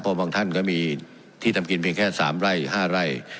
พอบางท่านก็มีที่ทำกินแค่๓ไล่๕ไล่